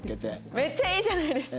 めっちゃいいじゃないですか。